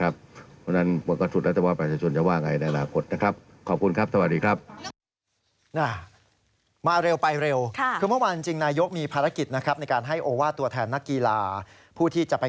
เพราะฉะนั้นมันก็สุดแล้วแต่ว่าประชาชนจะว่าอย่างไร